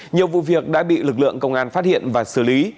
nhiều vụ việc đã bị lực lượng công an phát hiện và xử lý